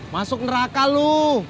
masuk neraka lo